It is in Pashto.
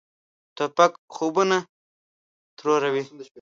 توپک خوبونه تروروي.